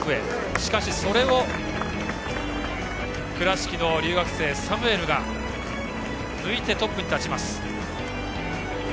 しかし、それを倉敷の留学生、サムエルが抜いてトップに立ちます。